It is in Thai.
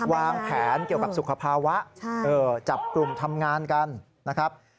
วางแผนเกี่ยวกับสุขภาวะจับกลุ่มทำงานกันนะครับ